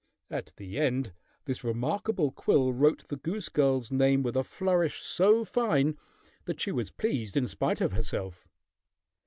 At the end, this remarkable quill wrote the goose girl's name with a flourish so fine that she was pleased in spite of herself.